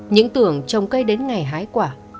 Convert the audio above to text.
những tưởng chồng cây đến ngày hái quả